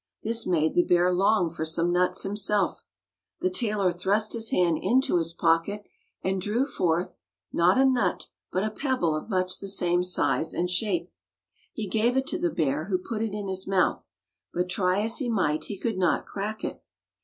This made the bear long for some nuts himself. The tailor thrust his hand into his 181 Fairy Tale Bears pocket, and drew forth, not a nut, but a pebble of much the same size and shape. He gave it to the bear, who put it in his mouth, but try as he might he could not crack it.